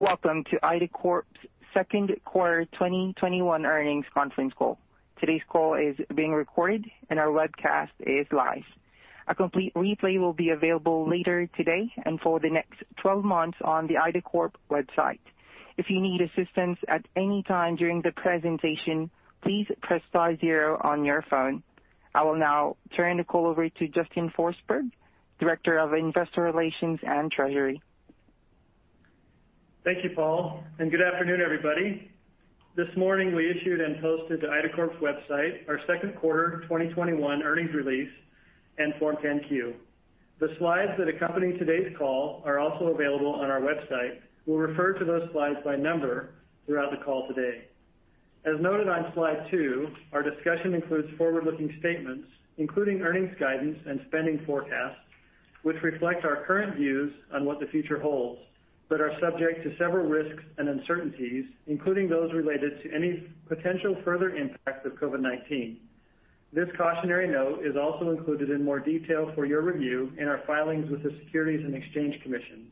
Welcome to Idacorp's second quarter 2021 earnings conference call. Today's call is being recorded, and our webcast is live. A complete replay will be available later today and for the next 12 months on the Idacorp website. If you need assistance at any time during the presentation, please press star zero on your phone. I will now turn the call over to Justin Forsberg, Director of Investor Relations and Treasury. Thank you, Paul, and good afternoon, everybody. This morning, we issued and posted to Idacorp's website our second quarter 2021 earnings release and Form 10-Q. The slides that accompany today's call are also available on our website. We'll refer to those slides by number throughout the call today. As noted on slide two, our discussion includes forward-looking statements, including earnings guidance and spending forecasts, which reflect our current views on what the future holds, but are subject to several risks and uncertainties, including those related to any potential further impact of COVID-19. This cautionary note is also included in more detail for your review in our filings with the Securities and Exchange Commission.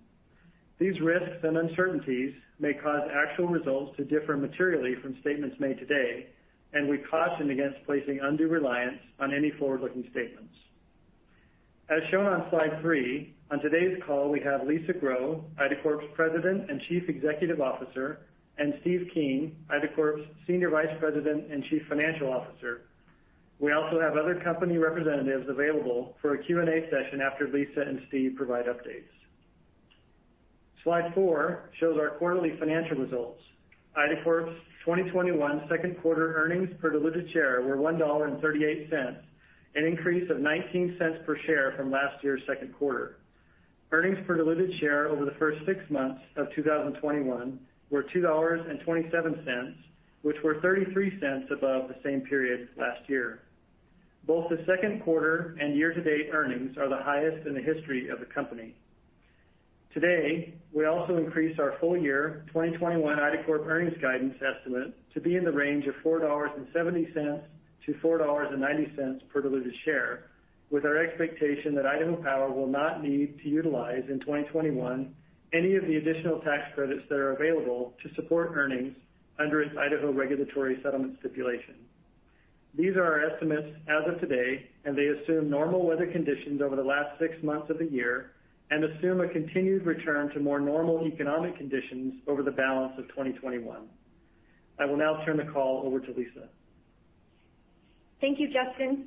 These risks and uncertainties may cause actual results to differ materially from statements made today, and we caution against placing undue reliance on any forward-looking statements. As shown on slide three, on today's call, we have Lisa Grow, Idacorp's President and Chief Executive Officer, and Steve Keen, Idacorp's Senior Vice President and Chief Financial Officer. We also have other company representatives available for a Q&A session after Lisa and Steve provide updates. Slide four shows our quarterly financial results. Idacorp's 2021 second quarter earnings per diluted share were $1.38, an increase of $0.19 per share from last year's second quarter. Earnings per diluted share over the first six months of 2021 were $2.27, which were $0.33 above the same period last year. Both the second quarter and year-to-date earnings are the highest in the history of the company. Today, we also increase our full year 2021 Idacorp earnings guidance estimate to be in the range of $4.70-$4.90 per diluted share, with our expectation that Idaho Power will not need to utilize in 2021 any of the additional tax credits that are available to support earnings under its Idaho regulatory settlement stipulation. These are our estimates as of today. They assume normal weather conditions over the last six months of the year and assume a continued return to more normal economic conditions over the balance of 2021. I will now turn the call over to Lisa. Thank you, Justin,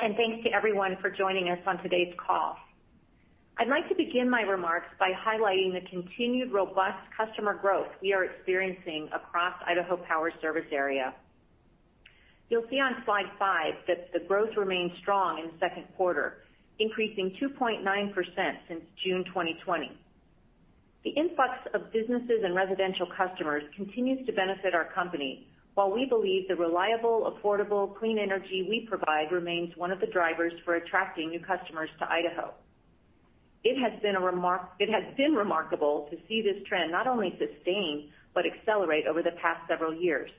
and thanks to everyone for joining us on today's call. I'd like to begin my remarks by highlighting the continued robust customer growth we are experiencing across Idaho Power service area. You'll see on slide five that the growth remained strong in the second quarter, increasing 2.9% since June 2020. The influx of businesses and residential customers continues to benefit our company, while we believe the reliable, affordable, clean energy we provide remains one of the drivers for attracting new customers to Idaho. It has been remarkable to see this trend not only sustain, but accelerate over the past several years.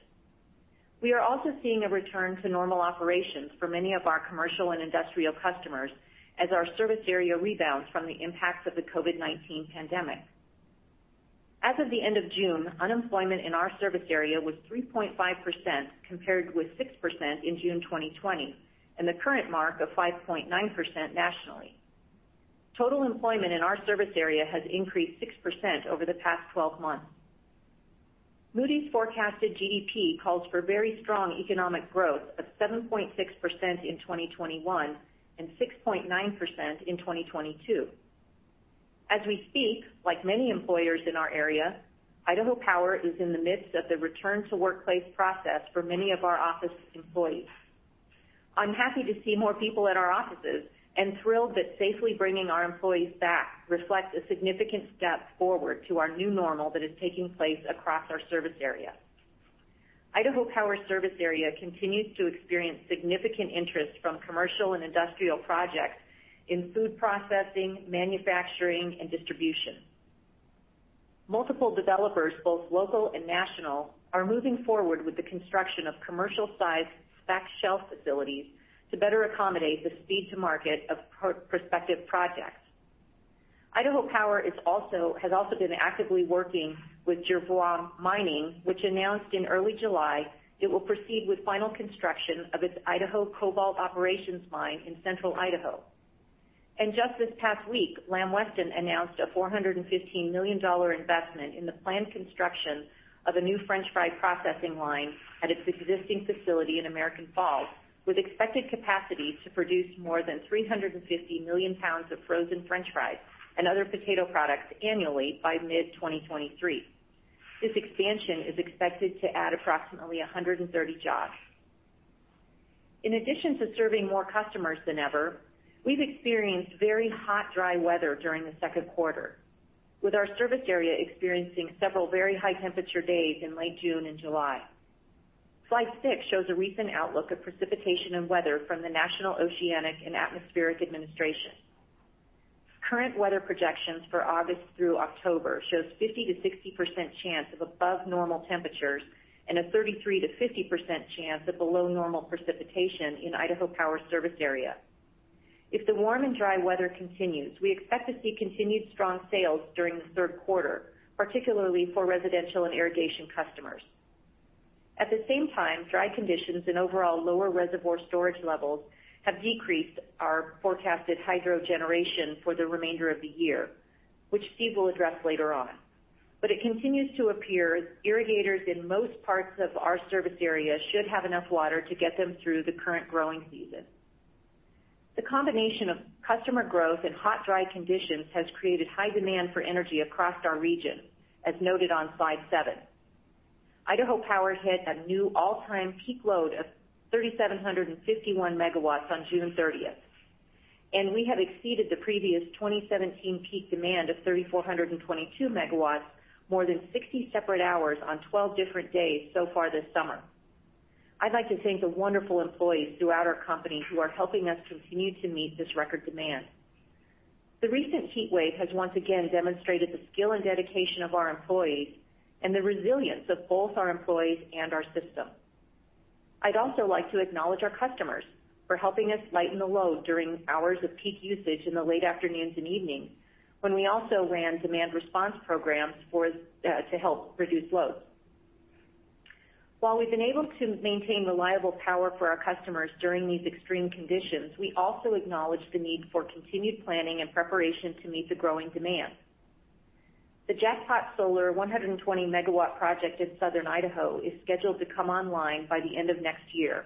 We are also seeing a return to normal operations for many of our commercial and industrial customers as our service area rebounds from the impacts of the COVID-19 pandemic. As of the end of June, unemployment in our service area was 3.5%, compared with 6% in June 2020 and the current mark of 5.9% nationally. Total employment in our service area has increased 6% over the past 12 months. Moody's forecasted GDP calls for very strong economic growth of 7.6% in 2021 and 6.9% in 2022. As we speak, like many employers in our area, Idaho Power is in the midst of the return-to-workplace process for many of our office employees. I'm happy to see more people in our offices and thrilled that safely bringing our employees back reflects a significant step forward to our new normal that is taking place across our service area. Idaho Power service area continues to experience significant interest from commercial and industrial projects in food processing, manufacturing, and distribution. Multiple developers, both local and national, are moving forward with the construction of commercial-sized back-shelf facilities to better accommodate the speed to market of prospective projects. Idaho Power has also been actively working with Jervois Mining, which announced in early July it will proceed with final construction of its Idaho Cobalt Operations mine in Central Idaho. Just this past week, Lamb Weston announced a $415 million investment in the planned construction of a new french fry processing line at its existing facility in American Falls, with expected capacity to produce more than 350 million lbs of frozen french fries and other potato products annually by mid-2023. This expansion is expected to add approximately 130 jobs. In addition to serving more customers than ever, we've experienced very hot, dry weather during the second quarter, with our service area experiencing several very high-temperature days in late June and July. Slide six shows a recent outlook of precipitation and weather from the National Oceanic and Atmospheric Administration. Current weather projections for August through October shows 50%-60% chance of above normal temperatures and a 33%-50% chance of below normal precipitation in Idaho Power service area. If the warm and dry weather continues, we expect to see continued strong sales during the third quarter, particularly for residential and irrigation customers. At the same time, dry conditions and overall lower reservoir storage levels have decreased our forecasted hydro generation for the remainder of the year, which Steve will address later on. It continues to appear irrigators in most parts of our service area should have enough water to get them through the current growing season. The combination of customer growth and hot, dry conditions has created high demand for energy across our region, as noted on slide seven. Idaho Power hit a new all-time peak load of 3,751 MW on June 30th, and we have exceeded the previous 2017 peak demand of 3,422 MW, more than 60 separate hours on 12 different days so far this summer. I'd like to thank the wonderful employees throughout our company who are helping us continue to meet this record demand. The recent heat wave has once again demonstrated the skill and dedication of our employees and the resilience of both our employees and our system. I'd also like to acknowledge our customers for helping us lighten the load during hours of peak usage in the late afternoons and evenings, when we also ran demand response programs to help reduce loads. While we've been able to maintain reliable power for our customers during these extreme conditions, we also acknowledge the need for continued planning and preparation to meet the growing demand. The Jackpot Solar 120 MW project in southern Idaho is scheduled to come online by the end of next year,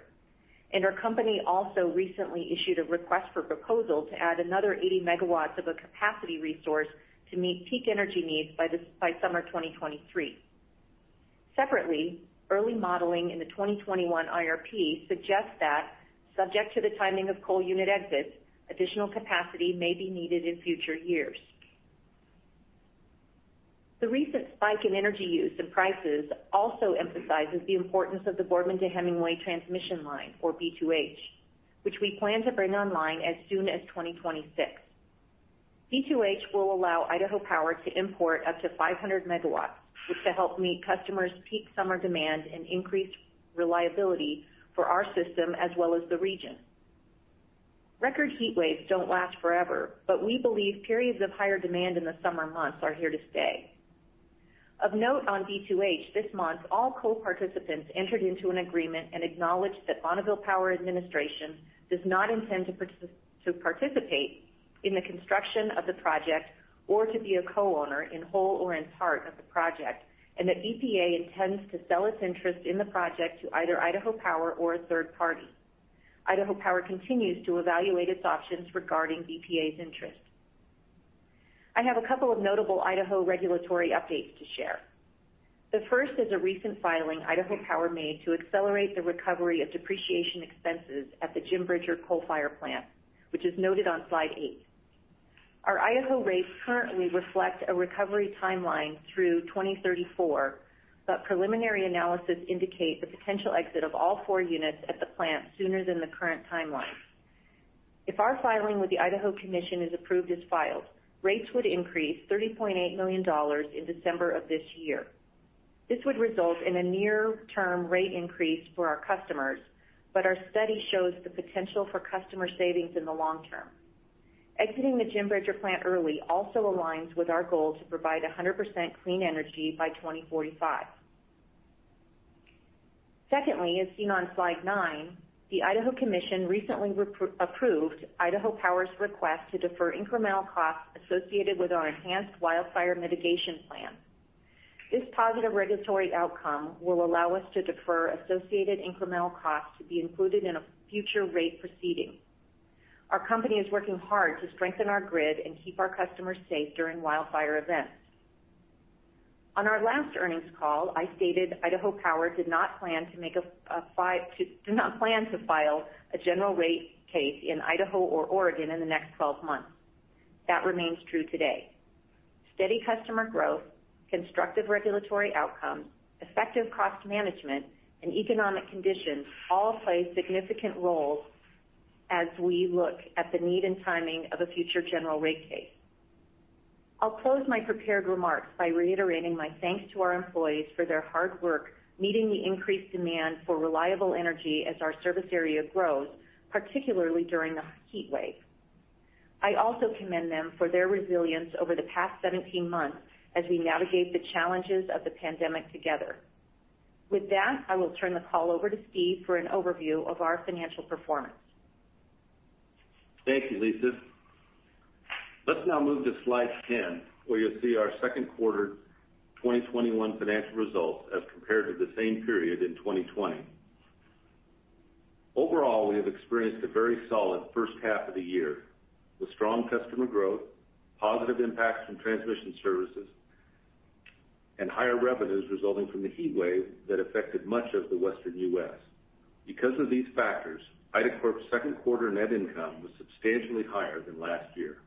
and our company also recently issued a request for proposal to add another 80 MW of a capacity resource to meet peak energy needs by summer 2023. Separately, early modeling in the 2021 IRP suggests that, subject to the timing of coal unit exits, additional capacity may be needed in future years. The recent spike in energy use and prices also emphasizes the importance of the Boardman to Hemingway transmission line, or B2H, which we plan to bring online as soon as 2026. B2H will allow Idaho Power to import up to 500 MW, which to help meet customers' peak summer demand and increase reliability for our system as well as the region. Record heat waves don't last forever. We believe periods of higher demand in the summer months are here to stay. Of note on B2H this month, all co-participants entered into an agreement and acknowledged that Bonneville Power Administration does not intend to participate in the construction of the project or to be a co-owner, in whole or in part, of the project, and that BPA intends to sell its interest in the project to either Idaho Power or a third party. Idaho Power continues to evaluate its options regarding BPA's interest. I have a couple of notable Idaho regulatory updates to share. The first is a recent filing Idaho Power made to accelerate the recovery of depreciation expenses at the Jim Bridger coal-fired plant, which is noted on slide eight. Our Idaho rates currently reflect a recovery timeline through 2034, but preliminary analysis indicate the potential exit of all four units at the plant sooner than the current timeline. If our filing with the Idaho Commission is approved as filed, rates would increase $30.8 million in December of this year. This would result in a near-term rate increase for our customers, but our study shows the potential for customer savings in the long term. Exiting the Jim Bridger plant early also aligns with our goal to provide 100% clean energy by 2045. Secondly, as seen on slide nine, the Idaho Commission recently approved Idaho Power's request to defer incremental costs associated with our enhanced wildfire mitigation plan. This positive regulatory outcome will allow us to defer associated incremental costs to be included in a future rate proceeding. Our company is working hard to strengthen our grid and keep our customers safe during wildfire events. On our last earnings call, I stated Idaho Power did not plan to file a general rate case in Idaho or Oregon in the next 12 months. That remains true today. Steady customer growth, constructive regulatory outcomes, effective cost management, and economic conditions all play significant roles as we look at the need and timing of a future general rate case. I'll close my prepared remarks by reiterating my thanks to our employees for their hard work meeting the increased demand for reliable energy as our service area grows, particularly during the heat wave. I also commend them for their resilience over the past 17 months as we navigate the challenges of the pandemic together. With that, I will turn the call over to Steve for an overview of our financial performance. Thank you, Lisa. Let's now move to slide 10, where you'll see our second quarter 2021 financial results as compared to the same period in 2020. Overall, we have experienced a very solid first half of the year, with strong customer growth, positive impacts from transmission services, and higher revenues resulting from the heat wave that affected much of the Western U.S. Because of these factors, Idacorp's second quarter net income was substantially higher than last year.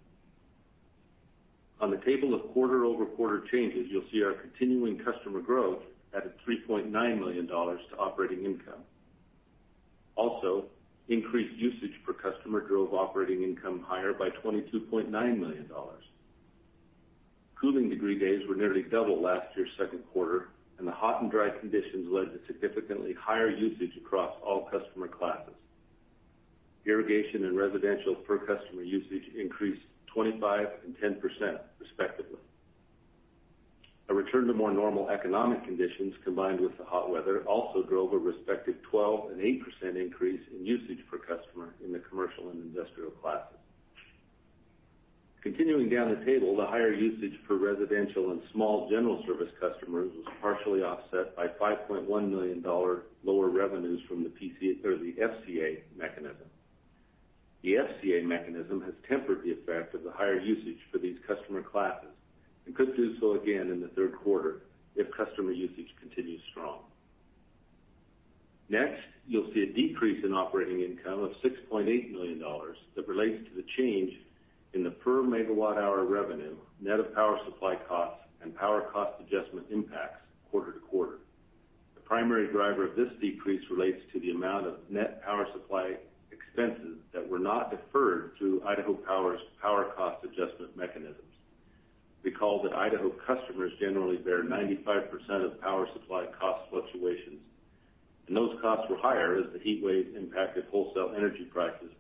On the table of quarter-over-quarter changes, you'll see our continuing customer growth added $3.9 million to operating income. Also, increased usage per customer drove operating income higher by $22.9 million. Cooling degree days were nearly double last year's second quarter, and the hot and dry conditions led to significantly higher usage across all customer classes. Irrigation and residential per customer usage increased 25% and 10%, respectively. A return to more normal economic conditions, combined with the hot weather, also drove a respective 12% and 8% increase in usage per customer in the commercial and industrial classes. Continuing down the table, the higher usage for residential and small general service customers was partially offset by $5.1 million lower revenues from the FCA mechanism. The FCA mechanism has tempered the effect of the higher usage for these customer classes and could do so again in the third quarter if customer usage continues strong. Next, you'll see a decrease in operating income of $6.8 million that relates to the change in the per megawatt-hour revenue, net of power supply costs and power cost adjustment impacts quarter to quarter. The primary driver of this decrease relates to the amount of net power supply expenses that were not deferred through Idaho Power's power cost adjustment mechanisms. Recall that Idaho customers generally bear 95% of power supply cost fluctuations, and those costs were higher as the heat wave impacted wholesale energy prices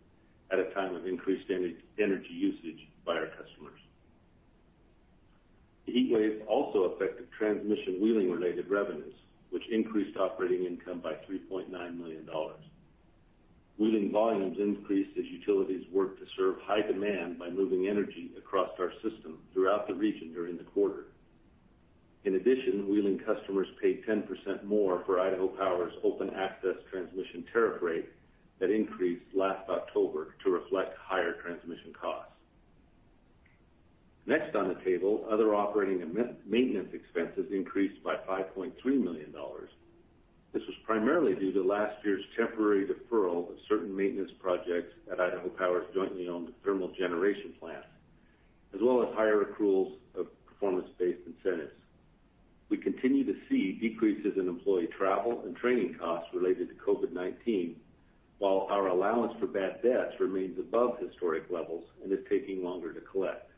at a time of increased energy usage by our customers. The heat wave also affected transmission wheeling-related revenues, which increased operating income by $3.9 million. Wheeling volumes increased as utilities worked to serve high demand by moving energy across our system throughout the region during the quarter. In addition, wheeling customers paid 10% more for Idaho Power's Open Access Transmission Tariff rate that increased last October to reflect higher transmission costs. Next on the table, other operating and maintenance expenses increased by $5.3 million. This was primarily due to last year's temporary deferral of certain maintenance projects at Idaho Power's jointly owned thermal generation plant, as well as higher accruals of performance-based incentives. We continue to see decreases in employee travel and training costs related to COVID-19, while our allowance for bad debts remains above historic levels and is taking longer to collect.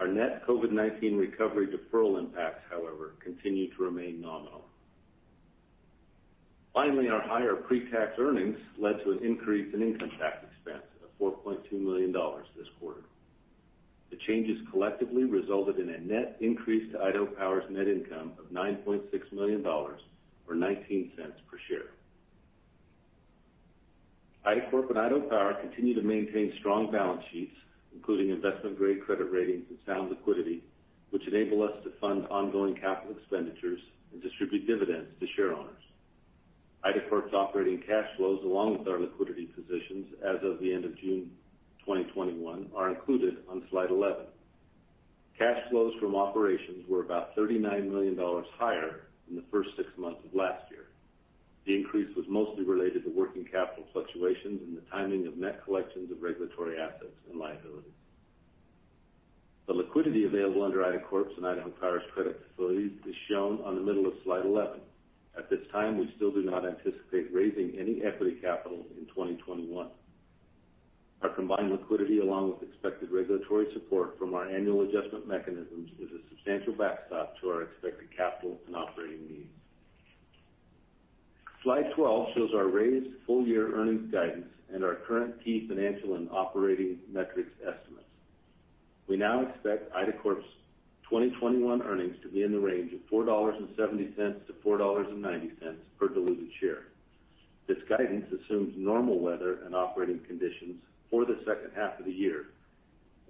Our net COVID-19 recovery deferral impacts, however, continue to remain nominal. Finally, our higher pre-tax earnings led to an increase in income tax expense of $4.2 million this quarter. The changes collectively resulted in a net increase to Idaho Power's net income of $9.6 million, or $0.19 per share. Idacorp and Idaho Power continue to maintain strong balance sheets, including investment-grade credit ratings and sound liquidity, which enable us to fund ongoing capital expenditures and distribute dividends to share owners. Idacorp's operating cash flows, along with our liquidity positions as of the end of June 2021, are included on slide 11. Cash flows from operations were about $39 million higher than the first six months of last year. The increase was mostly related to working capital fluctuations and the timing of net collections of regulatory assets and liabilities. The liquidity available under Idacorp's and Idaho Power's credit facilities is shown on the middle of slide 11. At this time, we still do not anticipate raising any equity capital in 2021. Our combined liquidity, along with expected regulatory support from our annual adjustment mechanisms, is a substantial backstop to our expected capital and operating needs. Slide 12 shows our raised full-year earnings guidance and our current key financial and operating metrics estimates. We now expect Idacorp's 2021 earnings to be in the range of $4.70-$4.90 per diluted share. This guidance assumes normal weather and operating conditions for the second half of the year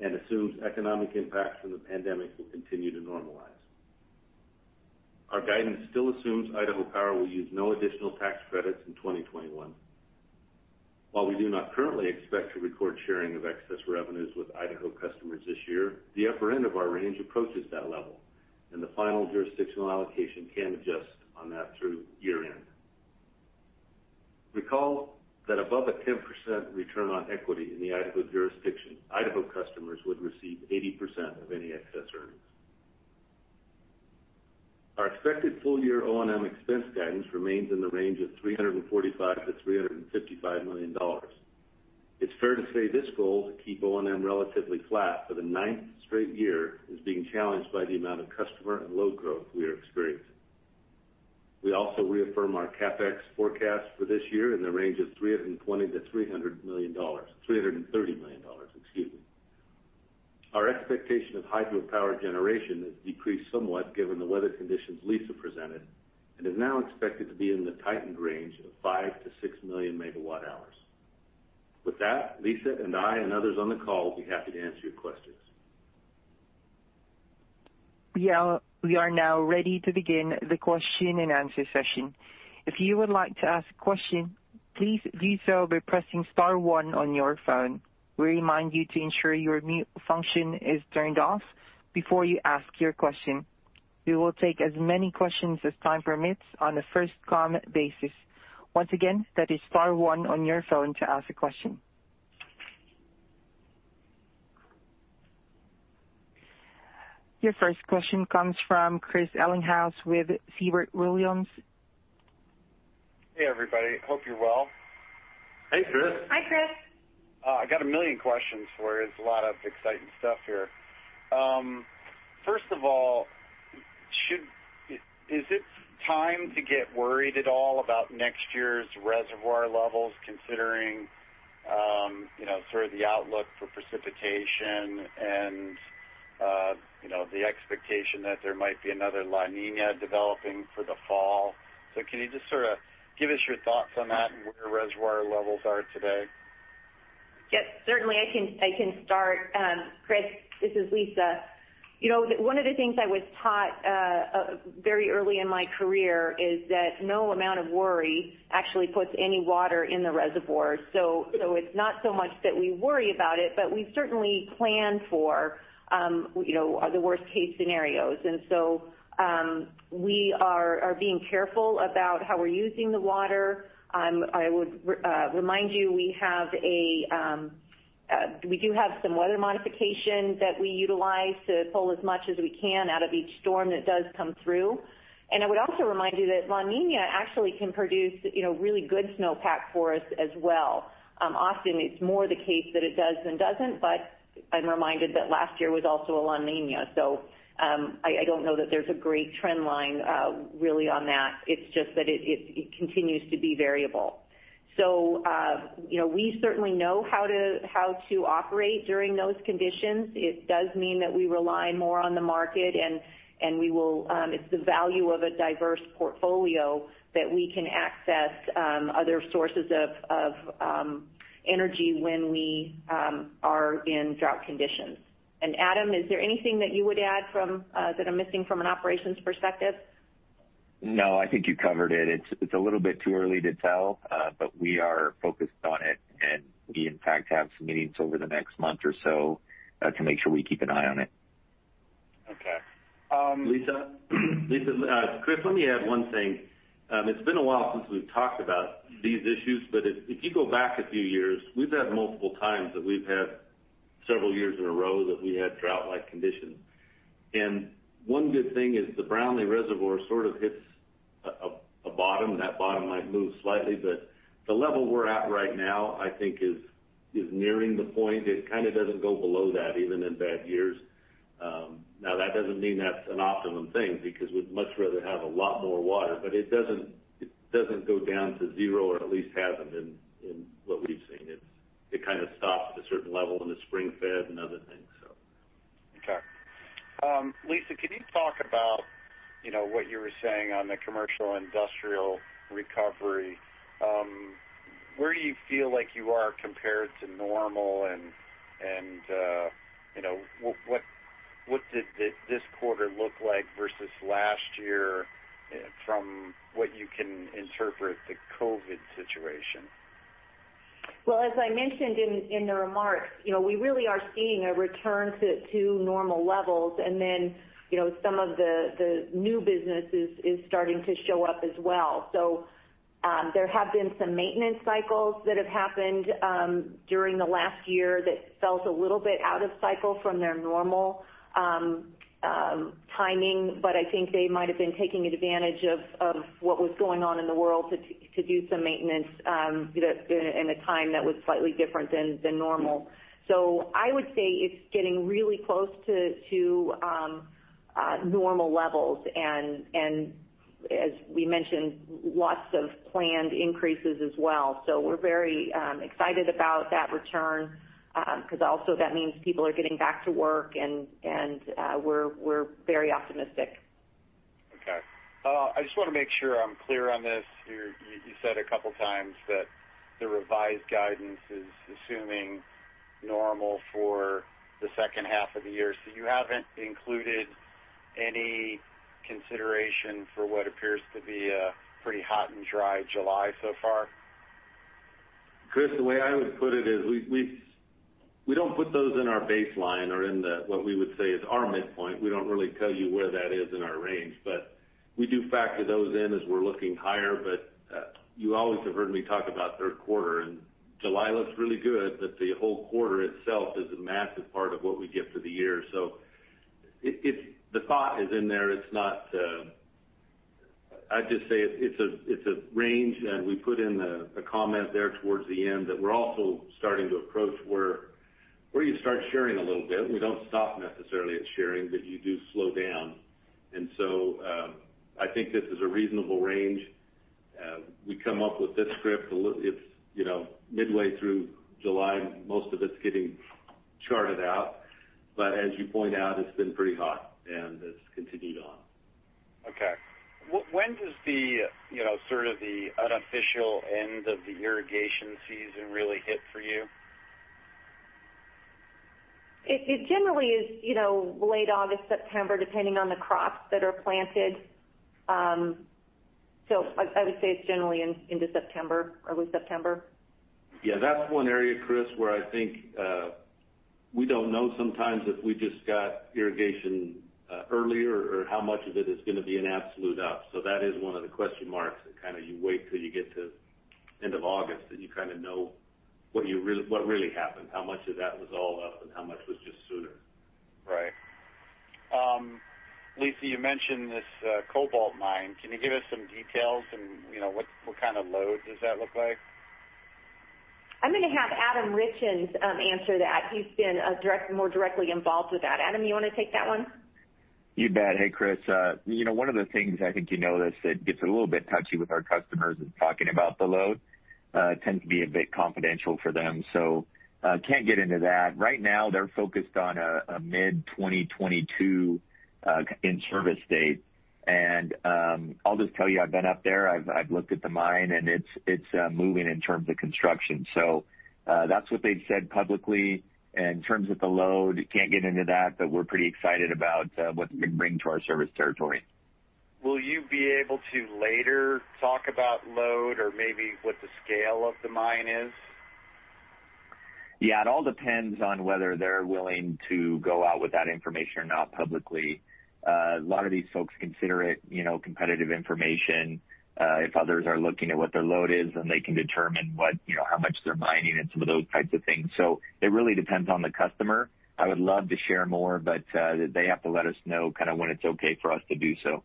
and assumes economic impacts from the pandemic will continue to normalize. Our guidance still assumes Idaho Power will use no additional tax credits in 2021. While we do not currently expect to record sharing of excess revenues with Idaho customers this year, the upper end of our range approaches that level, and the final jurisdictional allocation can adjust on that through year-end. Recall that above a 10% return on equity in the Idaho jurisdiction, Idaho customers would receive 80% of any excess earnings. Our expected full-year O&M expense guidance remains in the range of $345 million-$355 million. It's fair to say this goal to keep O&M relatively flat for the ninth straight year is being challenged by the amount of customer and load growth we are experiencing. We also reaffirm our CapEx forecast for this year in the range of $320 million-$300 million. $330 million, excuse me. Our expectation of hydropower generation has decreased somewhat given the weather conditions Lisa presented, and is now expected to be in the tightened range of 5 million MWh-6 million MWh hours. With that, Lisa and I and others on the call will be happy to answer your questions. Your first question comes from Chris Ellinghaus with Siebert Williams. Hey, everybody, hope you're well. Hey, Chris. Hi, Chris. I got a million questions for you. There's a lot of exciting stuff here. First of all, is it time to get worried at all about next year's reservoir levels, considering sort of the outlook for precipitation and the expectation that there might be another La Niña developing for the fall? Can you just sort of give us your thoughts on that and where reservoir levels are today? Yes, certainly I can start. Chris, this is Lisa. One of the things I was taught very early in my career is that no amount of worry actually puts any water in the reservoir. It's not so much that we worry about it, but we certainly plan for the worst-case scenarios. We are being careful about how we're using the water. I would remind you, we do have some weather modification that we utilize to pull as much as we can out of each storm that does come through. I would also remind you that La Niña actually can produce really good snowpack for us as well. Often it's more the case that it does than doesn't, but I'm reminded that last year was also a La Niña. I don't know that there's a great trend line really on that. It's just that it continues to be variable. We certainly know how to operate during those conditions. It does mean that we rely more on the market, and it's the value of a diverse portfolio that we can access other sources of energy when we are in drought conditions. Adam, is there anything that you would add that I'm missing from an operations perspective? I think you covered it. It's a little bit too early to tell, but we are focused on it, and we, in fact, have some meetings over the next month or so to make sure we keep an eye on it. Okay. Lisa? Chris, let me add one thing. It's been a while since we've talked about these issues, but if you go back a few years, we've had multiple times that we've had several years in a row that we had drought-like conditions. One good thing is the Brownlee Reservoir sort of hits a bottom. That bottom might move slightly, but the level we're at right now, I think is nearing the point. It kind of doesn't go below that, even in bad years. That doesn't mean that's an optimum thing, because we'd much rather have a lot more water, but it doesn't go down to zero, or at least hasn't in what we've seen. It kind of stops at a certain level in the spring fed and other things. Okay. Lisa, can you talk about what you were saying on the commercial industrial recovery? Where do you feel like you are compared to normal, and what did this quarter look like versus last year from what you can interpret the COVID situation? Well, as I mentioned in the remarks, we really are seeing a return to normal levels. Some of the new business is starting to show up as well. There have been some maintenance cycles that have happened during the last year that felt a little bit out of cycle from their normal timing. I think they might have been taking advantage of what was going on in the world to do some maintenance in a time that was slightly different than normal. I would say it's getting really close to normal levels and, as we mentioned, lots of planned increases as well. We're very excited about that return, because also that means people are getting back to work and we're very optimistic. Okay. I just want to make sure I'm clear on this. You said a couple times that the revised guidance is assuming normal for the second half of the year. You haven't included any consideration for what appears to be a pretty hot and dry July so far? Chris, the way I would put it is we don't put those in our baseline or in what we would say is our midpoint. We don't really tell you where that is in our range, but we do factor those in as we're looking higher. You always have heard me talk about third quarter, and July looks really good, but the whole quarter itself is a massive part of what we give for the year. The thought is in there. I'd just say it's a range, and we put in a comment there towards the end that we're also starting to approach where you start sharing a little bit. We don't stop necessarily at sharing, but you do slow down. I think this is a reasonable range. We come up with this script midway through July, most of it's getting charted out. As you point out, it's been pretty hot, and it's continued on. Okay. When does the sort of the unofficial end of the irrigation season really hit for you? It generally is late August, September, depending on the crops that are planted. I would say it's generally into September, early September. Yeah, that's one area, Chris, where I think we don't know sometimes if we just got irrigation earlier or how much of it is going to be an absolute up. That is one of the question marks that you wait till you get to end of August, then you kind of know what really happened, how much of that was all up, and how much was just sooner. Right. Lisa, you mentioned this cobalt mine. Can you give us some details? What kind of load does that look like? I'm going to have Adam Richins answer that. He's been more directly involved with that. Adam, you want to take that one? You bet. Hey, Chris. One of the things I think you notice that gets a little bit touchy with our customers is talking about the load. It tends to be a bit confidential for them. Can't get into that. Right now, they're focused on a mid-2022 in-service date. I'll just tell you, I've been up there, I've looked at the mine, and it's moving in terms of construction. That's what they've said publicly. In terms of the load, can't get into that, but we're pretty excited about what it could bring to our service territory. Will you be able to later talk about load or maybe what the scale of the mine is? Yeah, it all depends on whether they're willing to go out with that information or not publicly. A lot of these folks consider it competitive information. If others are looking at what their load is, then they can determine how much they're mining and some of those types of things. It really depends on the customer. I would love to share more, but they have to let us know when it's okay for us to do so.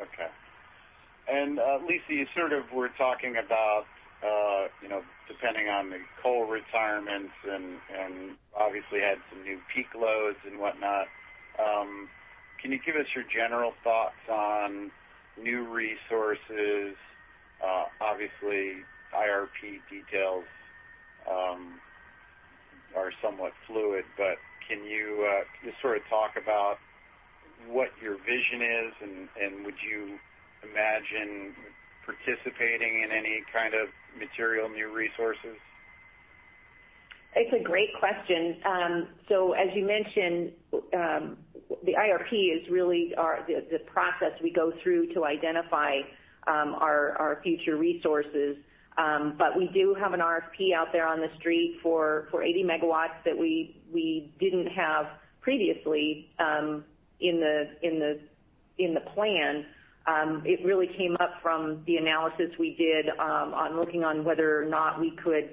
Okay. Lisa, you sort of were talking about, depending on the coal retirements, and obviously had some new peak loads and whatnot. Can you give us your general thoughts on new resources? Obviously, IRP details are somewhat fluid, can you sort of talk about what your vision is? Would you imagine participating in any kind of material new resources? It's a great question. As you mentioned, the IRP is really the process we go through to identify our future resources. We do have an RFP out there on the street for 80 MW that we didn't have previously in the plan. It really came up from the analysis we did on looking on whether or not we could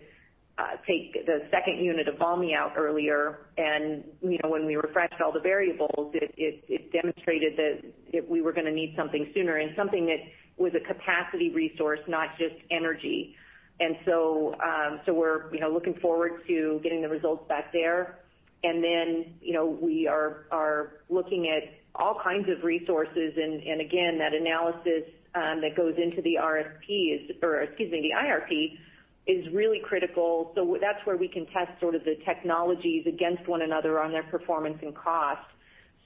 take the second unit of Valmy out earlier. When we refreshed all the variables, it demonstrated that we were going to need something sooner and something that was a capacity resource, not just energy. We're looking forward to getting the results back there. We are looking at all kinds of resources, and again, that analysis that goes into the IRP is really critical. That's where we can test sort of the technologies against one another on their performance and cost.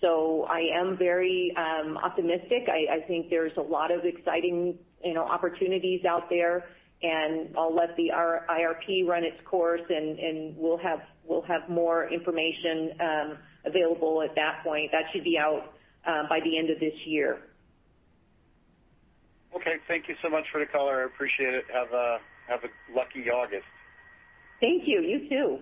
I am very optimistic. I think there's a lot of exciting opportunities out there, and I'll let the IRP run its course, and we'll have more information available at that point. That should be out by the end of this year. Okay. Thank you so much for the color. I appreciate it. Have a lucky August. Thank you. You too.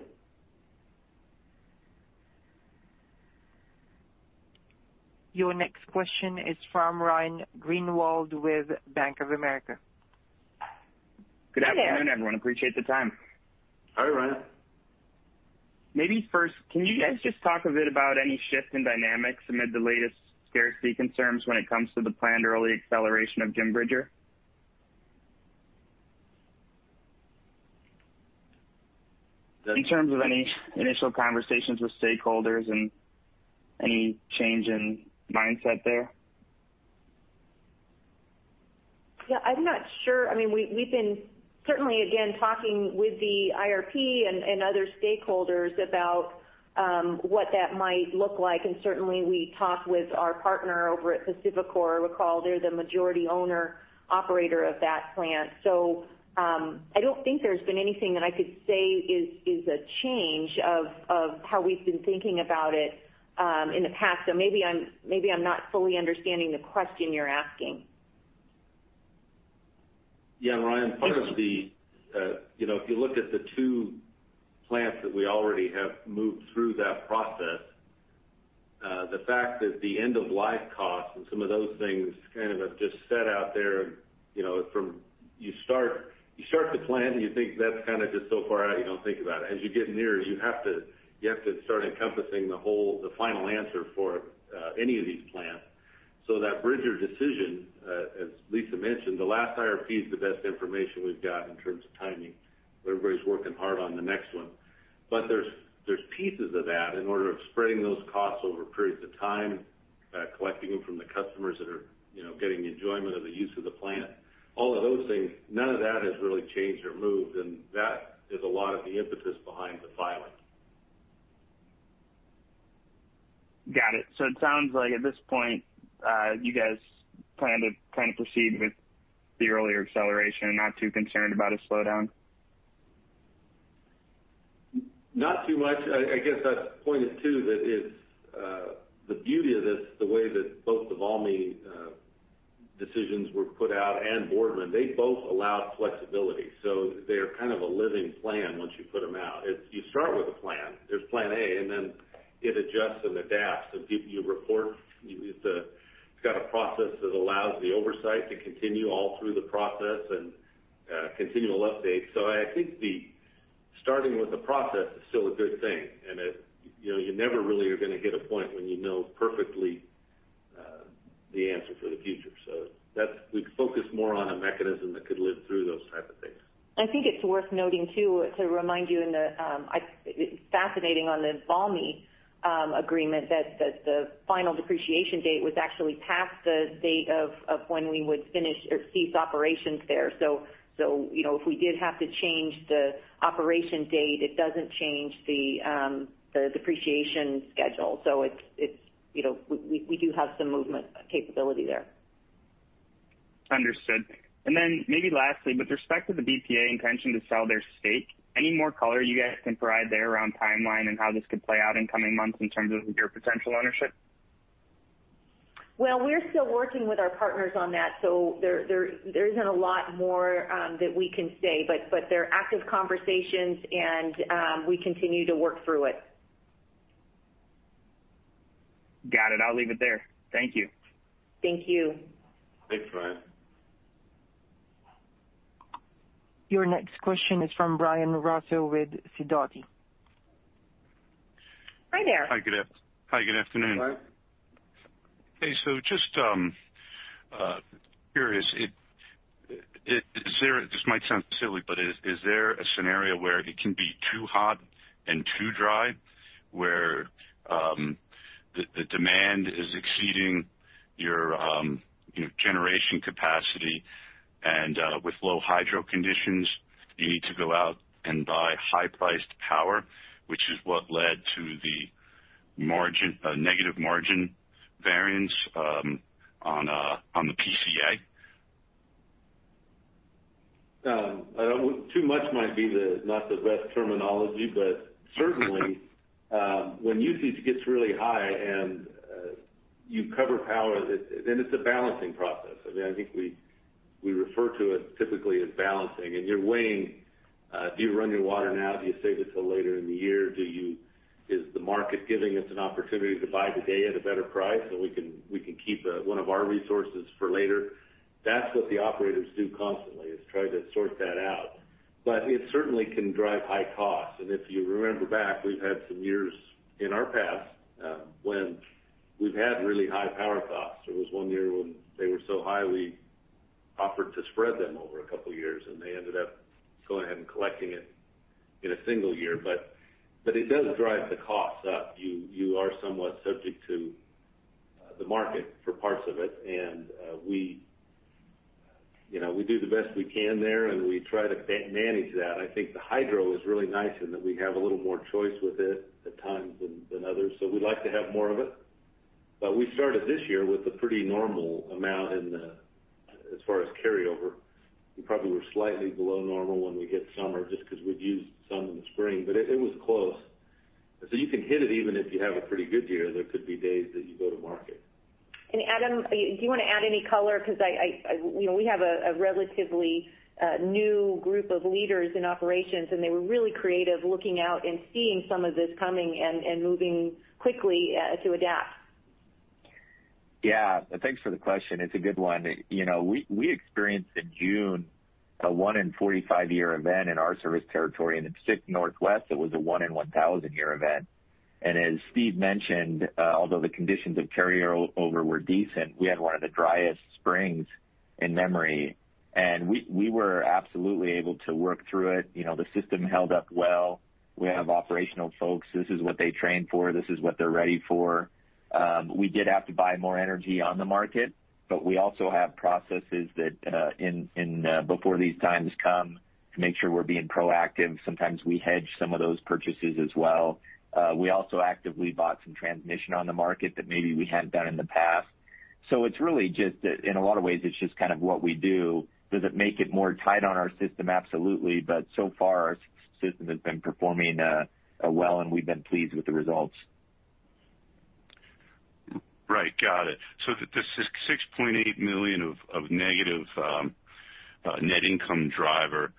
Your next question is from Ryan Greenwald with Bank of America. Good afternoon everyone. Hey there. Appreciate the time. Hi, Ryan. Maybe first, can you guys just talk a bit about any shift in dynamics amid the latest scarcity concerns when it comes to the planned early acceleration of Jim Bridger? In terms of any initial conversations with stakeholders and any change in mindset there? I'm not sure. We've been certainly, again, talking with the IRP and other stakeholders about what that might look like. Certainly, we talk with our partner over at PacifiCorp. Recall they're the majority owner operator of that plant. I don't think there's been anything that I could say is a change of how we've been thinking about it in the past. Maybe I'm not fully understanding the question you're asking. Yeah. Ryan, If you look at the two plants that we already have moved through that process, the fact that the end-of-life cost and some of those things kind of have just set out there. You start to plan, and you think that's kind of just so far out, you don't think about it. As you get nearer, you have to start encompassing the final answer for any of these plans. That Bridger decision, as Lisa mentioned, the last IRP is the best information we've got in terms of timing, but everybody's working hard on the next one. There's pieces of that in order of spreading those costs over periods of time, collecting them from the customers that are getting the enjoyment of the use of the plant, all of those things, none of that has really changed or moved, and that is a lot of the impetus behind the filing. Got it. It sounds like at this point, you guys plan to proceed with the earlier acceleration and not too concerned about a slowdown. Not too much. I guess that's pointed too that the beauty of this, the way that both the Valmy decisions were put out and Boardman, they both allowed flexibility. They're kind of a living plan once you put them out. You start with a plan. There's plan A, and then it adjusts and adapts, and you report. It's got a process that allows the oversight to continue all through the process and continual updates. I think the starting with a process is still a good thing, and you never really are going to hit a point when you know perfectly the answer for the future. We'd focus more on a mechanism that could live through those type of things. I think it's worth noting, too, to remind you, it's fascinating on the Valmy agreement that the final depreciation date was actually past the date of when we would finish or cease operations there. If we did have to change the operation date, it doesn't change the depreciation schedule. We do have some movement capability there. Understood. Then maybe lastly, with respect to the BPA intention to sell their stake, any more color you guys can provide there around timeline and how this could play out in coming months in terms of your potential ownership? Well, we're still working with our partners on that, so there isn't a lot more that we can say, but they're active conversations and we continue to work through it. Got it. I'll leave it there. Thank you. Thank you. Thanks, Ryan. Your next question is from Brian Russo with Sidoti. Hi there. Hi, good afternoon. Hi. Hey, just curious, this might sound silly, but is there a scenario where it can be too hot and too dry, where the demand is exceeding your generation capacity and with low hydro conditions, you need to go out and buy high-priced power, which is what led to the negative margin variance on the PCA? Too much might be not the best terminology, but certainly, when usage gets really high and you cover power, then it's a balancing process. I think we refer to it typically as balancing, and you're weighing, do you run your water now? Do you save it till later in the year? Is the market giving us an opportunity to buy today at a better price so we can keep one of our resources for later? That's what the operators do constantly, is try to sort that out. It certainly can drive high costs. If you remember back, we've had some years in our past when we've had really high power costs. There was one year when they were so high we offered to spread them over a couple of years, and they ended up going ahead and collecting it in a single year. It does drive the costs up. You are somewhat subject to the market for parts of it, and we do the best we can there, and we try to manage that. I think the hydro is really nice in that we have a little more choice with it at times than others, so we'd like to have more of it. We started this year with a pretty normal amount as far as carryover. We probably were slightly below normal when we hit summer just because we'd used some in the spring, but it was close. You can hit it even if you have a pretty good year. There could be days that you go to market. Adam, do you want to add any color? Because we have a relatively new group of leaders in operations, and they were really creative looking out and seeing some of this coming and moving quickly to adapt. Yeah. Thanks for the question. It's a good one. We experienced in June a one in 45-year event in our service territory. In the Pacific Northwest, it was a one in 1,000-year event. As Steve mentioned, although the conditions of carryover were decent, we had one of the driest springs in memory. We were absolutely able to work through it. The system held up well. We have operational folks. This is what they train for. This is what they're ready for. We did have to buy more energy on the market, we also have processes before these times come to make sure we're being proactive. Sometimes we hedge some of those purchases as well. We also actively bought some transmission on the market that maybe we hadn't done in the past. It's really just in a lot of ways, it's just kind of what we do. Does it make it more tight on our system? Absolutely. So far, our system has been performing well, and we've been pleased with the results. Right. Got it. This is $6.8 million of negative net income driver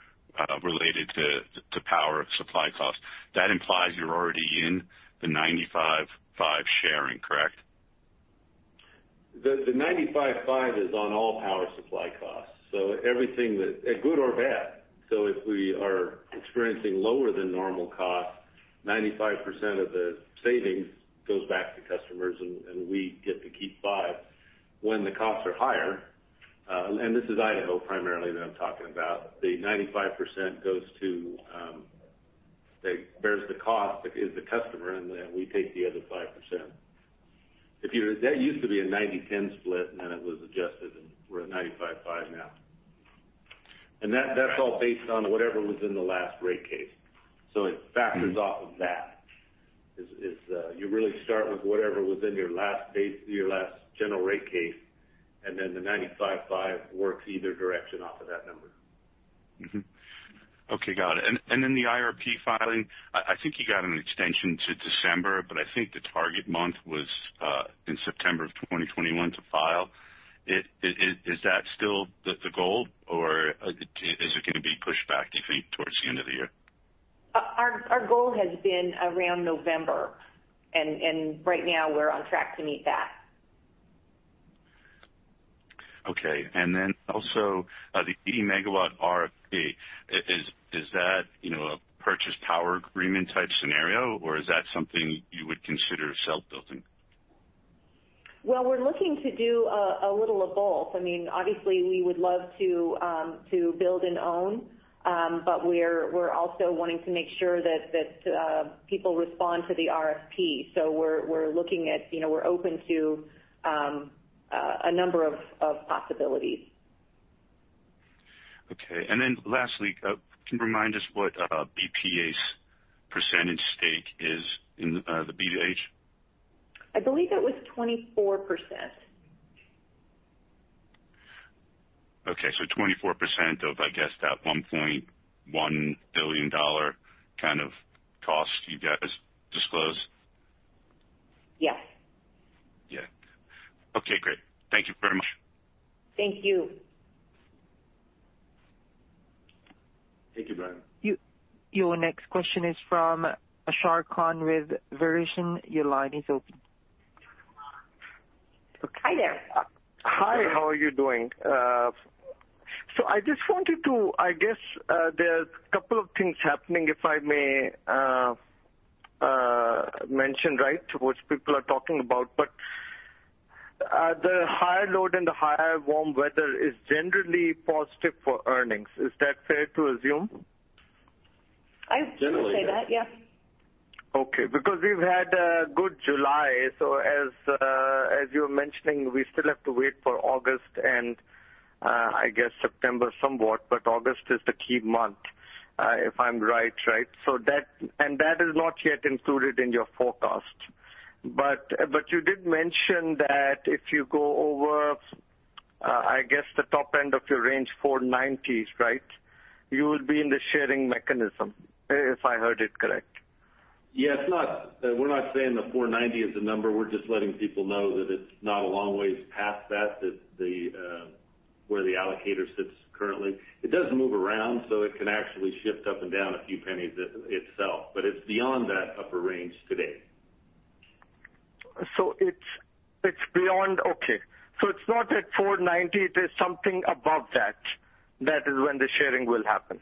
related to power supply costs. That implies you're already in the 95/5 sharing, correct? The 95/5 is on all power supply costs, so everything that, good or bad. If we are experiencing lower than normal costs, 95% of the savings goes back to customers, and we get to keep 5%. When the costs are higher, and this is Idaho primarily that I'm talking about, the 95% goes to, that bears the cost is the customer, and then we take the other 5%. That used to be a 90/10 split, and then it was adjusted, and we're at 95/5 now. That's all based on whatever was in the last rate case. It factors off of that. You really start with whatever was in your last general rate case, and then the 95/5 works either direction off of that number. Mm-hmm. Okay, got it. The IRP filing, I think you got an extension to December, but I think the target month was in September of 2021 to file. Is that still the goal, or is it going to be pushed back, do you think, towards the end of the year? Our goal has been around November, and right now, we're on track to meet that. Okay. Also, the 80 MW RFP, is that a purchase power agreement type scenario, or is that something you would consider self-building? Well, we're looking to do a little of both. Obviously, we would love to build and own, but we're also wanting to make sure that people respond to the RFP. We're open to a number of possibilities. Okay. Then lastly, can you remind us what BPA's precentage stake is in the B2H? I believe it was 24%. Okay, 24% of, I guess, that $1.1 billion kind of cost you guys disclosed? Yes. Yeah. Okay, great. Thank you very much. Thank you. Thank you, Brian. Your next question is from Ashar Khan with Verition. Your line is open. Hi there. Hi, how are you doing? I guess there's a couple of things happening, if I may mention, right, which people are talking about. The higher load and the higher warm weather is generally positive for earnings. Is that fair to assume? I would say that, yeah. Okay. We've had a good July. As you're mentioning, we still have to wait for August and, I guess, September somewhat, but August is the key month, if I'm right? That is not yet included in your forecast. You did mention that if you go over, I guess, the top end of your range, $4.90s, right? You will be in the sharing mechanism, if I heard it correct. Yeah. We're not saying the $4.90 is the number. We're just letting people know that it's not a long way past that, where the allocator sits currently. It does move around, so it can actually shift up and down a few pennies itself. It's beyond that upper range today. Okay. It's not at $4.90. It is something above that. That is when the sharing will happen.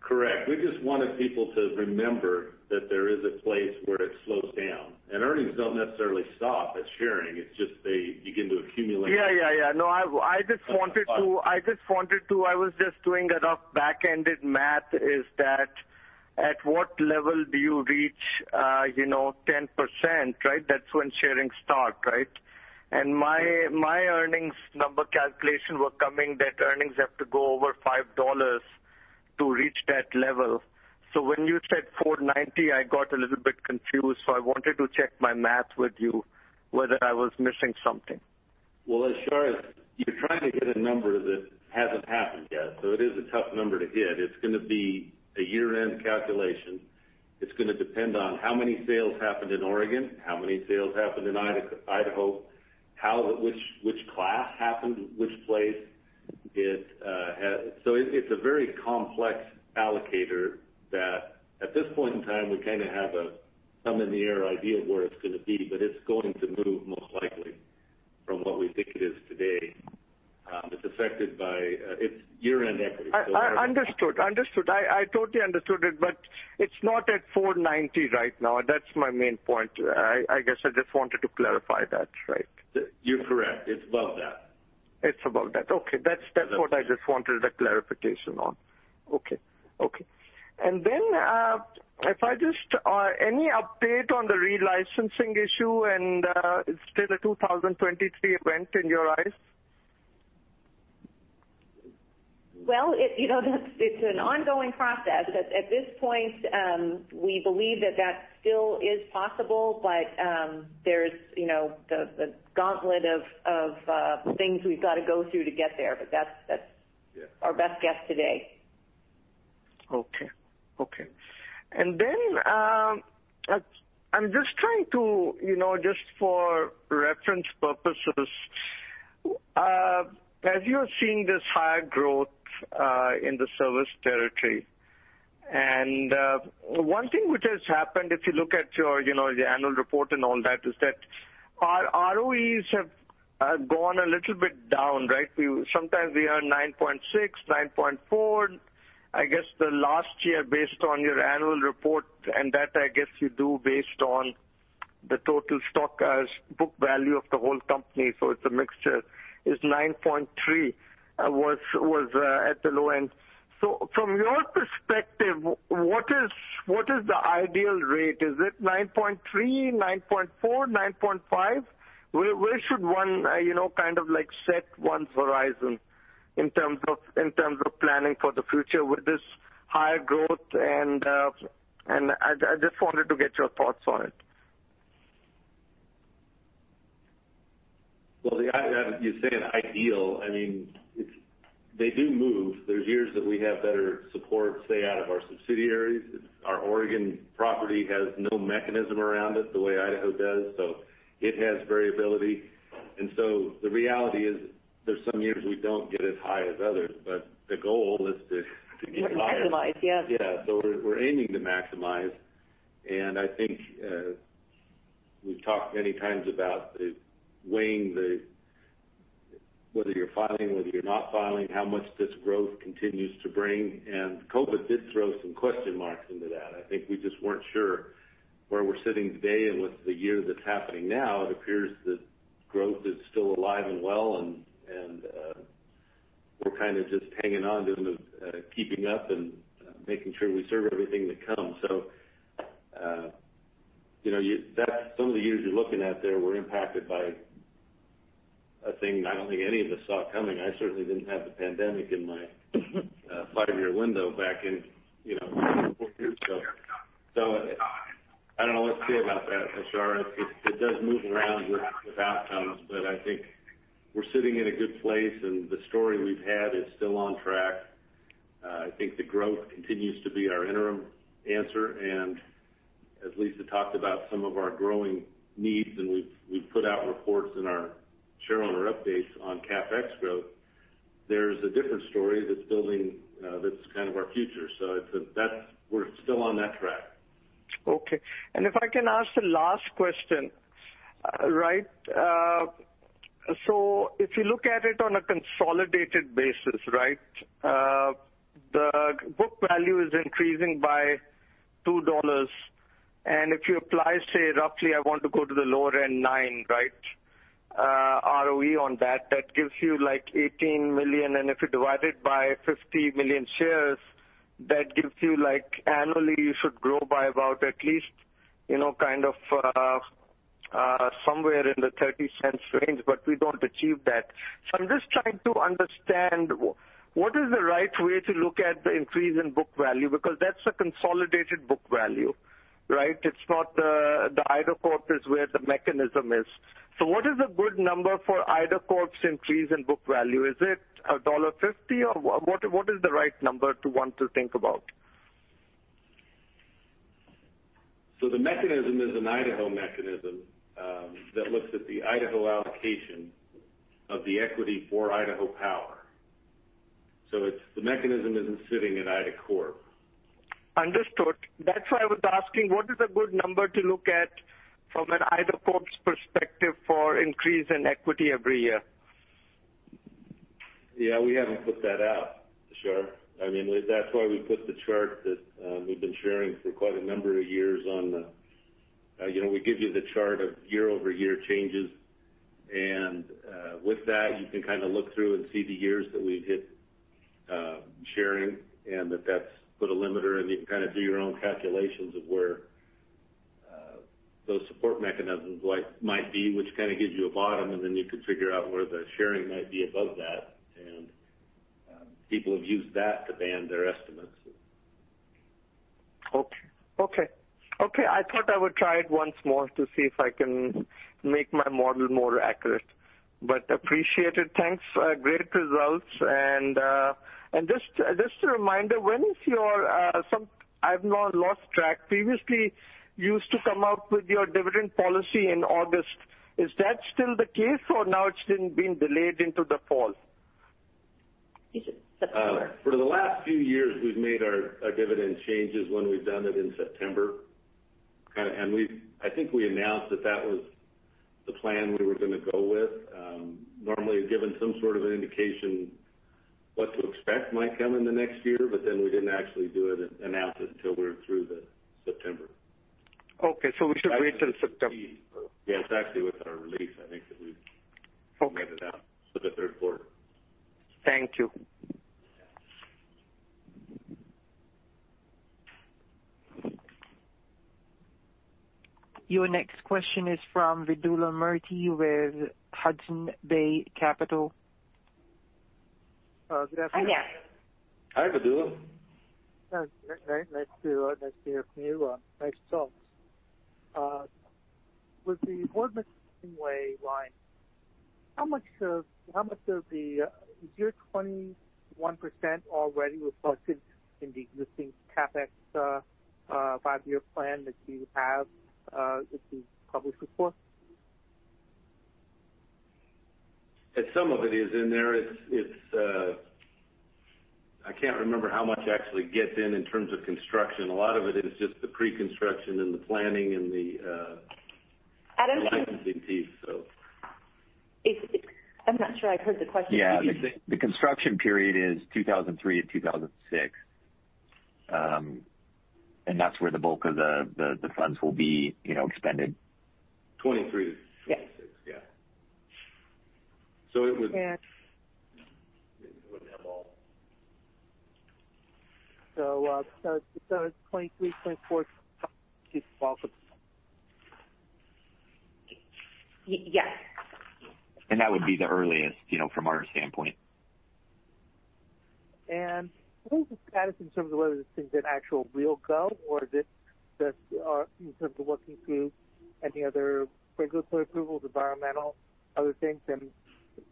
Correct. We just wanted people to remember that there is a place where it slows down, and earnings don't necessarily stop at sharing. It's just they begin to accumulate. Yeah. No, I was just doing enough back-ended math. Is that at what level do you reach 10%, right? That's when sharing starts, right? My earnings number calculation were coming that earnings have to go over $5 to reach that level. When you said $4.90, I got a little bit confused. I wanted to check my math with you, whether I was missing something. Well, Ashar, you're trying to get a number that hasn't happened yet, so it is a tough number to hit. It's going to be a year-end calculation. It's going to depend on how many sales happened in Oregon, how many sales happened in Idaho, which class happened, which place. It's a very complex allocator that, at this point in time, we kind of have a thumb in the air idea of where it's going to be, but it's going to move most likely from what we think it is today. It's year-end equity. Understood. I totally understood it. It's not at $4.90 right now. That's my main point. I guess I just wanted to clarify that, right? You're correct. It's above that. It's above that. Okay. That's what I just wanted a clarification on. Okay. Any update on the relicensing issue, and it's still a 2023 event in your eyes? Well, it's an ongoing process. At this point, we believe that still is possible, but there's the gauntlet of things we've got to go through to get there. That's our best guess today. Okay. I'm just trying to, just for reference purposes, as you're seeing this higher growth in the service territory, one thing which has happened, if you look at your annual report and all that, is that ROEs have gone a little bit down, right? Sometimes we are 9.6%, 9.4%. I guess the last year, based on your annual report, and that I guess you do based on the total stock as book value of the whole company, so it's a mixture, is 9.3%, was at the low end. From your perspective, what is the ideal rate? Is it 9.3%, 9.4%, 9.5%? Where should one kind of set one's horizon in terms of planning for the future with this higher growth and I just wanted to get your thoughts on it. Well, you're saying ideal. They do move. There's years that we have better support, say, out of our subsidiaries. Our Oregon property has no mechanism around it the way Idaho does. It has variability. The reality is there's some years we don't get as high as others, but the goal is to get higher. Maximize, yes. We've talked many times about weighing whether you're filing, whether you're not filing, how much this growth continues to bring, and COVID did throw some question marks into that. I think we just weren't sure where we're sitting today and with the year that's happening now, it appears that growth is still alive and well, and we're kind of just hanging on, keeping up, and making sure we serve everything that comes. Some of the years you're looking at there were impacted by a thing I don't think any of us saw coming. I certainly didn't have the pandemic in my five-year window back in four years ago. I don't know what to say about that, Ashar. It does move around with outcomes, but I think we're sitting in a good place, and the story we've had is still on track. I think the growth continues to be our interim answer, and as Lisa talked about some of our growing needs, and we've put out reports in our share owner updates on CapEx growth. We're still on that track. Okay. If I can ask the last question. If you look at it on a consolidated basis. The book value is increasing by $2. If you apply, say roughly, I want to go to the lower end 9% ROE on that gives you like $18 million, and if you divide it by 50 million shares, that gives you like annually, you should grow by about at least kind of somewhere in the $0.30 range. We don't achieve that. I'm just trying to understand what is the right way to look at the increase in book value, because that's the consolidated book value. It's not the Idacorp is where the mechanism is. What is a good number for Idacorp's increase in book value? Is it $1.50, or what is the right number to want to think about? The mechanism is an Idaho mechanism that looks at the Idaho allocation of the equity for Idaho Power. The mechanism isn't sitting in Idacorp. Understood. That's why I was asking what is a good number to look at from an Idacorp's perspective for increase in equity every year? Yeah, we haven't put that out, Ashar. That's why we put the chart that we've been sharing for quite a number of years. We give you the chart of year-over-year changes, and with that, you can kind of look through and see the years that we've hit sharing, and that's put a limiter in. You can kind of do your own calculations of where those support mechanisms might be, which kind of gives you a bottom, and then you can figure out where the sharing might be above that. People have used that to band their estimates. Okay. I thought I would try it once more to see if I can make my model more accurate, but appreciated. Thanks. Great results. Just a reminder, I've now lost track. Previously, you used to come out with your dividend policy in August. Is that still the case, or now it's been delayed into the fall? Is it September? For the last few years, we've made our dividend changes when we've done it in September. I think we announced that that was the plan we were going to go with. Normally, given some sort of an indication what to expect might come in the next year, but then we didn't actually do it, announce it till we were through the September. Okay. We should wait till September. Yeah. It's actually with our release, I think that we've made it out for the third quarter. Thank you. Your next question is from Vedula Murti with Hudson Bay Capital. Good afternoon. Hi, there. Hi, Vedula. Nice to hear from you. Nice talks. With the Boardman to Hemingway line, how much of the year 2021 already reflected in the existing CapEx five-year plan that you have that you published before? Some of it is in there. I can't remember how much actually gets in in terms of construction. A lot of it is just the pre-construction and the planning- Adam licensing piece, so. I'm not sure I heard the question. The construction period is 2003 to 2006, and that's where the bulk of the funds will be expended. 2023-2026. Yeah. It wouldn't- 2023, 2024 keeps falling. Yes. That would be the earliest, from our standpoint. What is the status in terms of whether this is an actual real go or is this just in terms of working through any other regulatory approvals, environmental, other things, and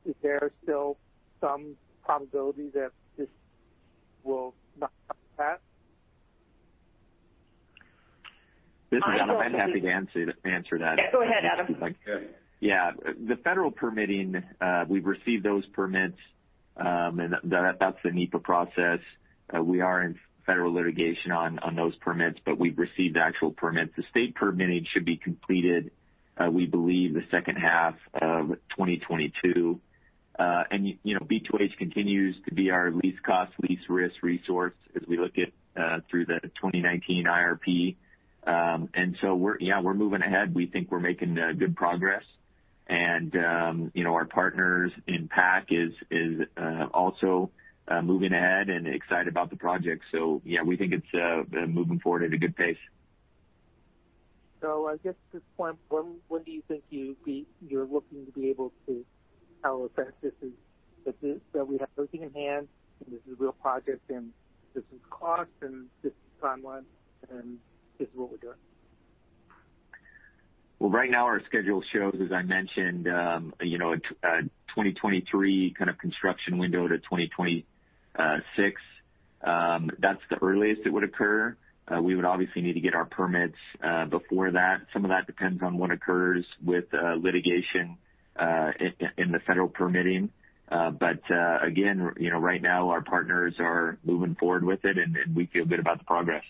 is there still some probability that this will not pass? This is Adam. I'm happy to answer that. Go ahead, Adam. Okay. Yeah. The federal permitting, we've received those permits. That's the NEPA process. We are in federal litigation on those permits. We've received the actual permits. The state permitting should be completed, we believe, the second half of 2022. B2H continues to be our least cost, least risk resource as we look through the 2019 IRP. Yeah, we're moving ahead. We think we're making good progress. Our partners in PAC is also moving ahead and excited about the project. Yeah, we think it's moving forward at a good pace. I guess at this point, when do you think you're looking to be able to tell us that we have everything in hand, and this is a real project, and this is the cost, and this is the timeline, and this is what we're doing? Well, right now our schedule shows, as I mentioned, a 2023 kind of construction window to 2026. That's the earliest it would occur. We would obviously need to get our permits before that. Some of that depends on what occurs with litigation in the federal permitting. Again, right now our partners are moving forward with it, and we feel good about the progress.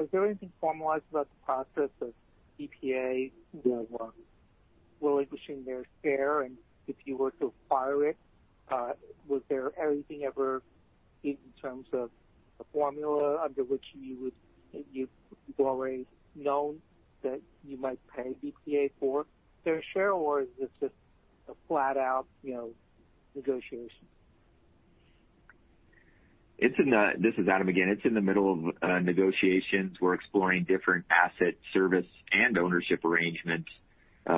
Is there anything formalized about the process of BPA relinquishing their share? If you were to acquire it, was there anything ever in terms of a formula under which you've already known that you might pay BPA for their share, or is this just a flat out negotiation? This is Adam again. It's in the middle of negotiations. We're exploring different asset service and ownership arrangements,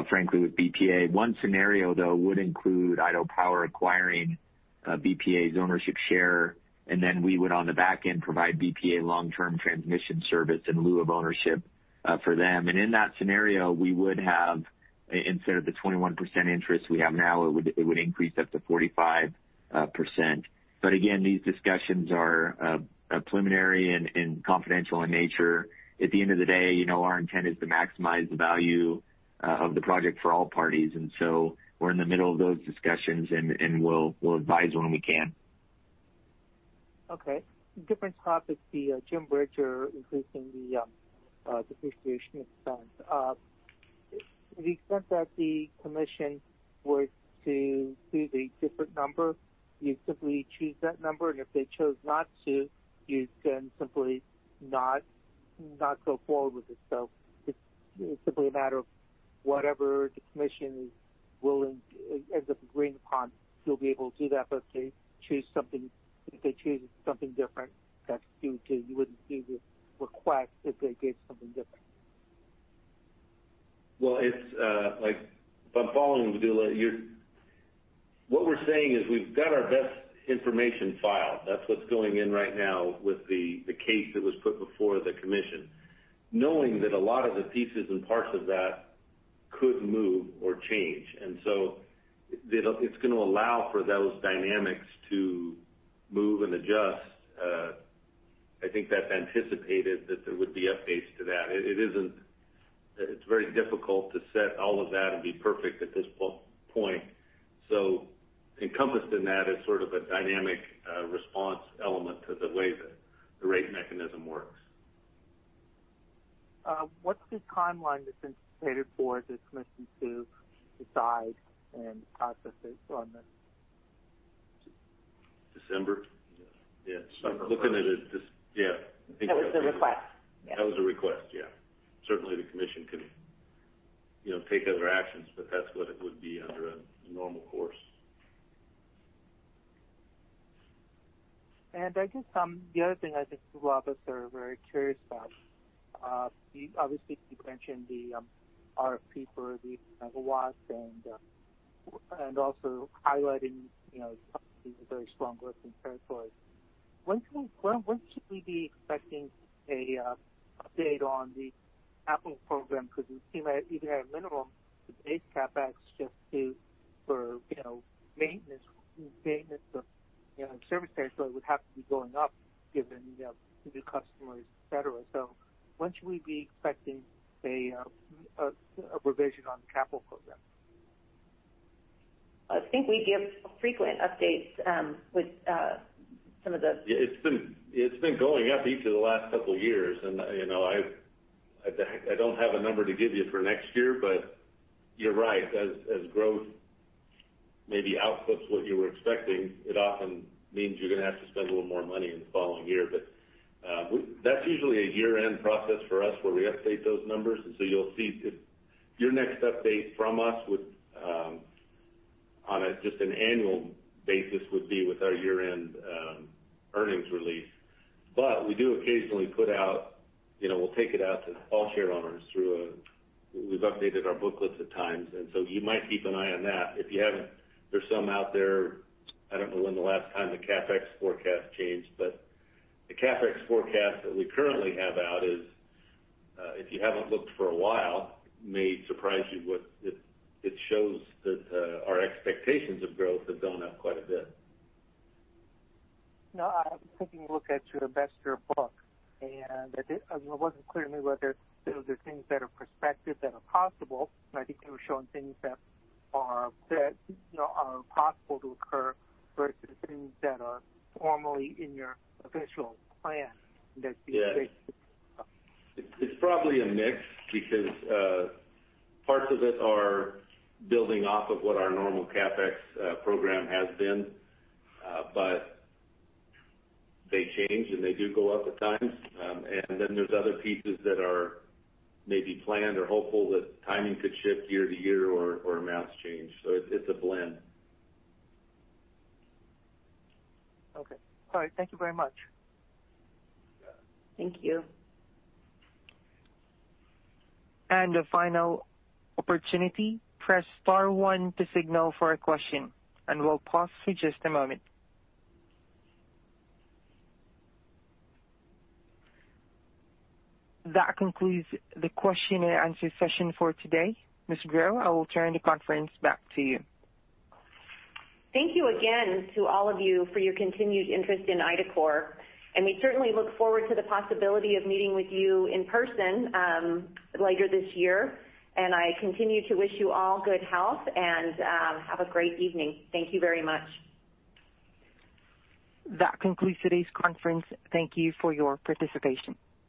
frankly, with BPA. One scenario, though, would include Idaho Power acquiring BPA's ownership share, and then we would, on the back end, provide BPA long-term transmission service in lieu of ownership for them. In that scenario, we would have, instead of the 21% interest we have now, it would increase up to 45%. Again, these discussions are preliminary and confidential in nature. At the end of the day, our intent is to maximize the value of the project for all parties. We're in the middle of those discussions, and we'll advise when we can. Okay. Different topic. The Jim Bridger, increasing the depreciation expense. To the extent that the commission were to do the different number, you'd simply choose that number, and if they chose not to, you'd then simply not go forward with it. It's simply a matter of whatever the commission ends up agreeing upon, you'll be able to do that. If they choose something different, you wouldn't do the request if they gave something different. Well, if I'm following, Vedula, what we're saying is we've got our best information filed. That's what's going in right now with the case that was put before the Commission, knowing that a lot of the pieces and parts of that could move or change. It's going to allow for those dynamics to move and adjust. I think that's anticipated that there would be updates to that. It's very difficult to set all of that and be perfect at this point. Encompassed in that is sort of a dynamic response element to the way that the rate mechanism works. What's the timeline that's anticipated for the commission to decide and process it on this? December. Yeah. I'm looking at it. Yeah. That was the request. Yeah. That was the request, yeah. Certainly, the commission could take other actions, but that's what it would be under a normal course. I guess the other thing I think a lot of us are very curious about, obviously you mentioned the RFP for the megawatts and also highlighting the company's a very strong working territory. When should we be expecting an update on the capital program? Because it seems like even at a minimum, the base CapEx just for maintenance of service territory would have to be going up given the new customers, et cetera. So when should we be expecting a revision on the capital program? I think we give frequent updates. Yeah, it's been going up each of the last couple of years. I don't have a number to give you for next year, but you're right. As growth maybe outputs what you were expecting, it often means you're going to have to spend a little more money in the following year. That's usually a year-end process for us where we update those numbers. You'll see your next update from us on just an annual basis would be with our year-end earnings release. We do occasionally put out, we'll take it out to all share owners through, we've updated our booklets at times. You might keep an eye on that. If you haven't, there's some out there. I don't know when the last time the CapEx forecast changed, but the CapEx forecast that we currently have out is, if you haven't looked for a while, may surprise you with, it shows that our expectations of growth have gone up quite a bit. No, I was taking a look at your investor book. It wasn't clear to me whether those are things that are prospective, that are possible. I think you were showing things that are possible to occur versus things that are formally in your official plan. Yeah. It's probably a mix because parts of it are building off of what our normal CapEx program has been. They change, and they do go up at times. There's other pieces that are maybe planned or hopeful that timing could shift year to year or amounts change. It's a blend. Okay. All right. Thank you very much. Thank you. The final opportunity, press star one to signal for a question. We'll pause for just a moment. That concludes the question and answer session for today. Ms. Grow, I will turn the conference back to you. Thank you again to all of you for your continued interest in Idacorp, and we certainly look forward to the possibility of meeting with you in person later this year. I continue to wish you all good health, and have a great evening. Thank you very much. That concludes today's conference. Thank you for your participation.